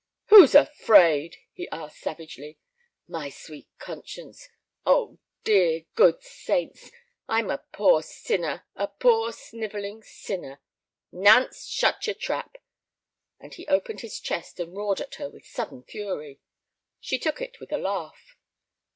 "Who's afraid?" he asked, savagely. "My sweet conscience! Oh, dear, good saints! I'm a poor sinner, a poor snivelling sinner—" "Nance, shut your trap!" And he opened his chest and roared at her with sudden fury. She took it with a laugh.